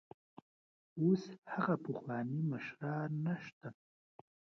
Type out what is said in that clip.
اوس هغه پخواني مشران نشته.